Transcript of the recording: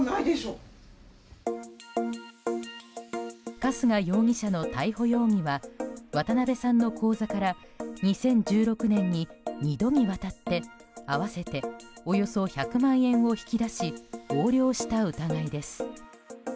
春日容疑者の逮捕容疑は渡辺さんの口座から２０１６年に２度にわたって合わせておよそ１００万円を引き出し、横領した疑いです。